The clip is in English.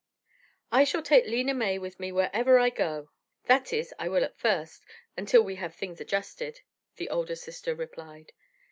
"I shall take Lena May with me wherever I go; that is, I will at first, until we have things adjusted," the older sister replied.